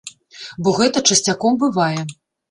Бо гэта часцяком бывае.